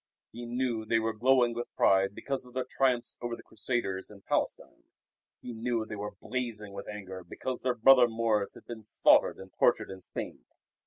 He knew they were glowing with pride because of their triumphs over the Crusaders in Palestine. He knew they were blazing with anger because their brother Moors had been slaughtered and tortured in Spain.